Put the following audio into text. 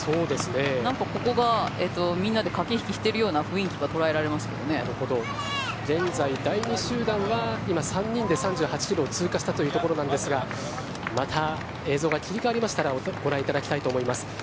なんかここがみんなで駆け引きしているような状況が現在、第２集団は今、３人で３８キロを通過したというところなんですがまた、映像が切り替わりましたらご覧いただきたいと思います。